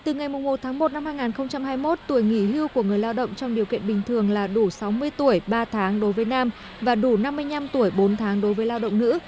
từ ngày một tháng một năm hai nghìn hai mươi một tuổi nghỉ hưu của người lao động trong điều kiện bình thường là đủ sáu mươi tuổi ba tháng đối với nam và đủ năm mươi năm tuổi bốn tháng đối với lao động nữ